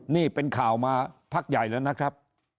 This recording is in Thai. นี่เป็นข่าวมาพักใหญ่แล้วนะครับ